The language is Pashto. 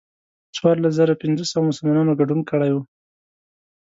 څوارلس زره پنځه سوه مسلمانانو ګډون کړی و.